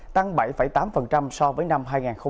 tăng bảy tám so với năm hai nghìn hai mươi hai